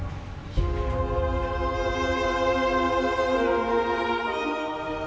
nanti juga pulang